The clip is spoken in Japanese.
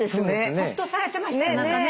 ほっとされてました何かね。